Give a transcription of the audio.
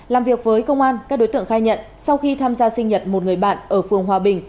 làm việc với công an các đối tượng khai nhận sau khi tham gia sinh nhật một người bạn ở phường hòa bình